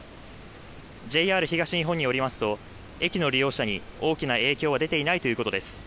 ＪＲ東日本によりますと駅の利用者に大きな影響は出ていないということです。